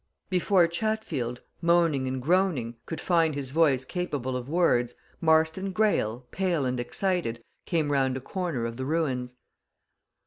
Before Chatfield, moaning and groaning, could find his voice capable of words, Marston Greyle, pale and excited, came round a corner of the ruins.